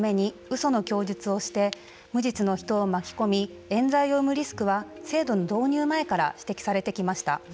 その供述をして無実の人を巻き込みえん罪を生むリスクは制度の導入前から指摘されてきました。